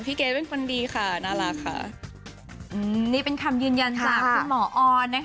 เกรทเป็นคนดีค่ะน่ารักค่ะอืมนี่เป็นคำยืนยันจากคุณหมอออนนะคะ